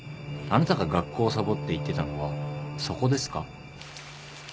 あなたが学校をサボって行ってたのはそこですか？